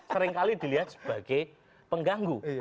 sering kali dilihat sebagai pengganggu